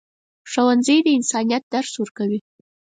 ښوونځی د انسانیت درس ورکوي.